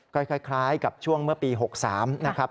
ก็คล้ายกับช่วงเมื่อปี๖๓นะครับ